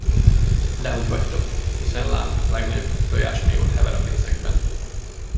Dehogy vagytok, hiszen lám, a legnagyobbik tojás még ott hever a fészekben.